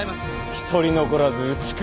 一人残らず打ち首！